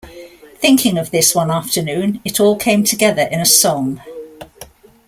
Thinking of this one afternoon, it all came together in a song.